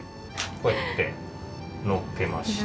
こうやってのっけました。